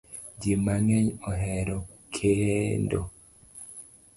Ji mang'eny ohero kendo